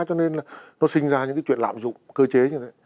cho nên là nó sinh ra những cái chuyện lạm dụng cơ chế như thế